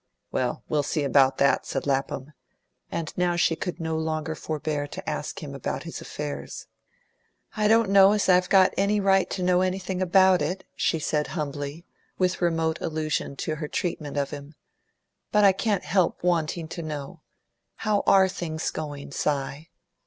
"Well, we'll see about that," said Lapham; and now she could no longer forbear to ask him about his affairs. "I don't know as I've got any right to know anything about it," she said humbly, with remote allusion to her treatment of him. "But I can't help wanting to know. How ARE things going, Si?"